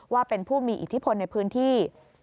ว่าเป็นผู้มีอิทธิพลในพื้นที่